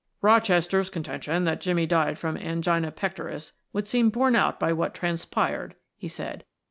"Rochester's contention that Jimmie died from angina pectoris would seem borne out by what transpired," he said.